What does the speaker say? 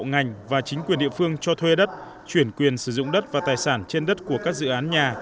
ngành và chính quyền địa phương cho thuê đất chuyển quyền sử dụng đất và tài sản trên đất của các dự án nhà